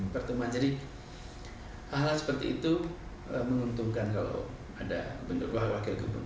pertemuan jadi hal hal seperti itu menguntungkan kalau ada bentuklah wakil gubernur